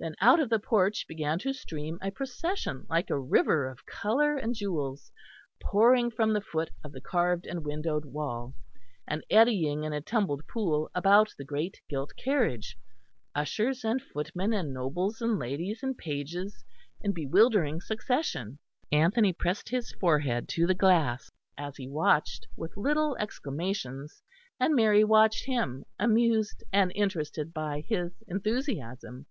Then out of the porch began to stream a procession, like a river of colour and jewels, pouring from the foot of the carved and windowed wall, and eddying in a tumbled pool about the great gilt carriage; ushers and footmen and nobles and ladies and pages in bewildering succession. Anthony pressed his forehead to the glass as he watched, with little exclamations, and Mary watched him, amused and interested by his enthusiasm.